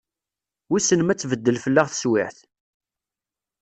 Wissen ma tbeddel fell-aɣ teswiɛt?